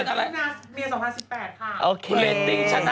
ไปใหญ่ไปหมดเลยแม่วาน